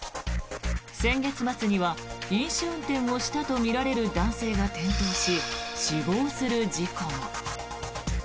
先月末には飲酒運転をしたとみられる男性が転倒し死亡する事故も。